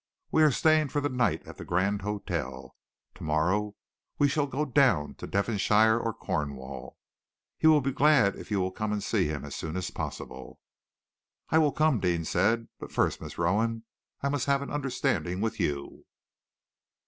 We are staying for the night at the Grand Hotel. To morrow we shall go down to Devonshire or Cornwall. He will be glad if you will come and see him as soon as possible." "I will come," Deane said, "but first, Miss Rowan, I must have an understanding with you."